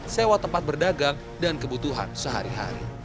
sewa tempat berdagang dan kebutuhan sehari hari